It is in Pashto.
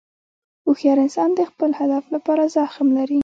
هوښیار انسان د خپل هدف لپاره زغم لري.